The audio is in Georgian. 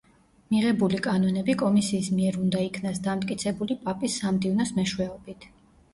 მიღებული კანონები კომისიის მიერ უნდა იქნას დამტკიცებული პაპის სამდივნოს მეშვეობით.